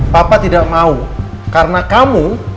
papa tidak mau karena kamu